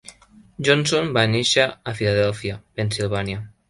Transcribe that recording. Johnson va nàixer a Filadèlfia, Pennsilvània.